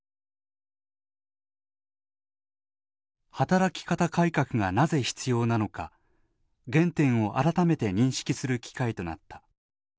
「働き方改革がなぜ必要なのか原点を改めて認識する機会となった」。